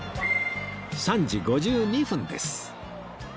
３時５２分です